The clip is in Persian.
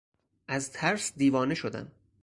از ترس دیوانه شدم.